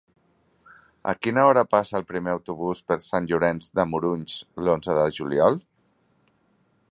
A quina hora passa el primer autobús per Sant Llorenç de Morunys l'onze de juliol?